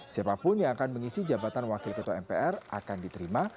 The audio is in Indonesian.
siapapun yang akan mengisi jabatan wakil ketua mpr akan diterima